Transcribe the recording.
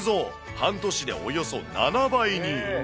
半年でおよそ７倍に。